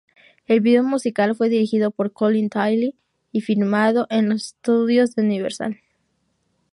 El video musical fue dirigido por Colin Tilley y filmado en los Estudios Universal.